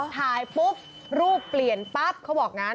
ถ่ายปุ๊บรูปเปลี่ยนปั๊บเขาบอกงั้น